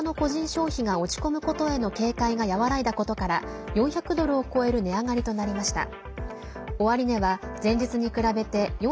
消費が落ち込むことへの警戒が和らいだことから４００ドルを超える値上がりとなりました。